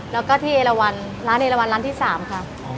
แล้วก็ที่เอลวันร้านเอราวันร้านที่๓ค่ะ